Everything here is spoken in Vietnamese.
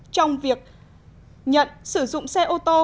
trong việc nhận sử dụng xe ô tô